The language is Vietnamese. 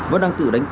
vẫn đang tự đánh cực